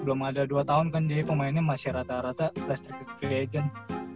ya belum ada dua tahun kan jadi pemainnya masih rata rata restricted free agent